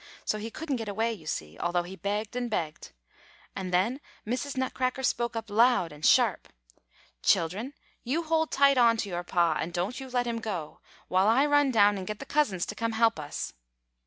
so he couldn't get away you see, although he begged and begged. And then Mrs. Nutcracker spoke up loud and sharp, 'Children, you hold tight on to your Pa, and don't you let him go; while I run down and get the cousins to come and help us."